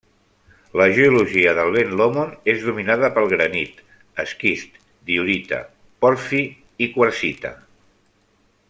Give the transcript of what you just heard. La geologia del Ben Lomond és dominada pel granit, esquist, diorita, pòrfir i quarsita.